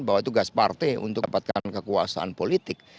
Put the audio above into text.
bahwa tugas partai untuk dapatkan kekuasaan politik